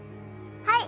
はい。